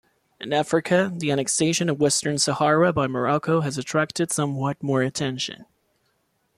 In Africa, the annexation of Western Sahara by Morocco has attracted somewhat more attention.